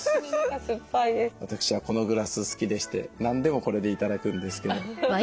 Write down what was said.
私はこのグラス好きでして何でもこれで頂くんですけど。